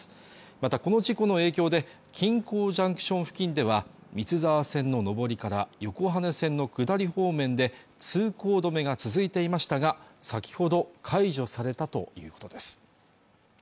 またこの事故の影響で金港ジャンクション付近では三ツ沢線の上りから横羽線の下り方面で通行止めが続いていましたが先ほど解除されたということです